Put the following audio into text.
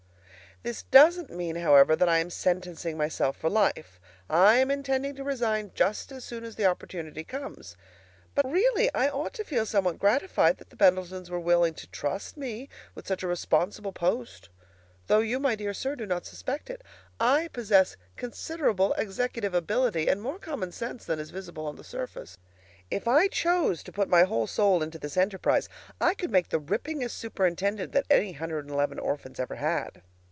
This doesn't mean, however, that I am sentencing myself for life; I am intending to resign just as soon as the opportunity comes. But really I ought to feel somewhat gratified that the Pendletons were willing to trust me with such a responsible post. Though you, my dear sir, do not suspect it, I possess considerable executive ability, and more common sense than is visible on the surface. If I chose to put my whole soul into this enterprise, I could make the rippingest superintendent that any 111 orphans ever had.